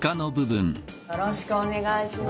よろしくお願いします。